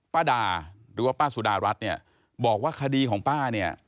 ป้าดาหรือว่าป้าสุดารัฐเนี่ยบอกว่าคดีของป้าเนี่ย